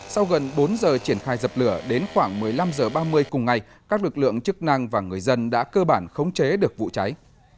sau gần bốn giờ triển khai dập lửa đến khoảng một mươi năm h ba mươi cùng ngày các lực lượng chức năng và người dân đã cơ bản khống chế được vụ cháy